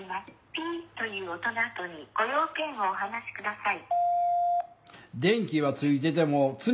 ピという音の後にご用件をお話しください。